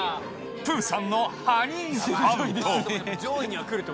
プーさんのハニーハント。